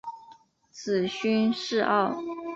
子荀逝敖。